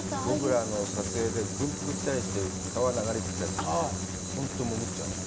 僕ら撮影で軍服着たりして川流れてて、本当に潜っちゃう。